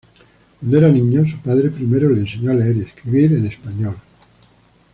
Cuando era niño, su padre primero le enseñó a leer y escribir en español.